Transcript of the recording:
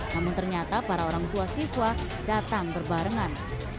namun ternyata para orang tua siswa datang berbarengan